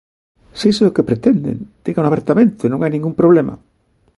Se iso é o que pretenden, dígano abertamente, non hai ningún problema.